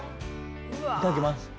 いただきます！